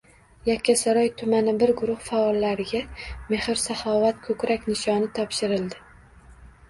Yakkasaroy tumani bir guruh faollariga "Mehr-saxovat" ko‘krak nishoni topshirildi